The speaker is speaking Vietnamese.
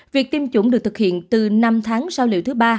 việc tiêm chủng được thực hiện từ năm tháng sau liệu thứ ba